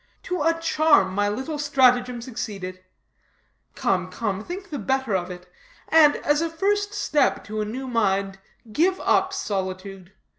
To a charm, my little stratagem succeeded. Come, come, think better of it, and, as a first step to a new mind, give up solitude.